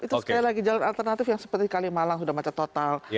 itu sekali lagi jalan alternatif yang seperti kalimalang sudah macet total